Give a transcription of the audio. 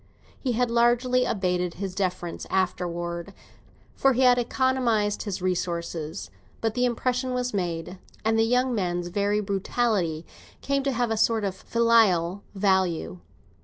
He had largely abated his deference afterwards, for he economised his resources, but the impression was made, and the young man's very brutality came to have a sort of filial value.